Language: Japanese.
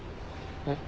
えっ？